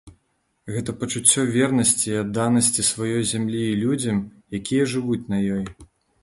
Гэта пачуццё вернасці і адданасці сваёй зямлі і людзям, якія жывуць на ёй.